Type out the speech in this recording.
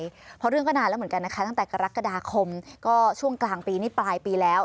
เพราะเรื่องก็นานแล้วเหมือนกันนะคะตั้งแต่กรกฎาคมก็ช่วงกลางปีนี่ปลายปีแล้ว